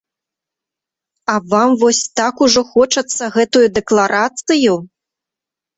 А вам вось так ужо хочацца гэтую дэкларацыю?